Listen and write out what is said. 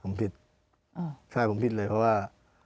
ใช่ผมผิดผมผิดใช่ผมผิดเลยเพราะว่า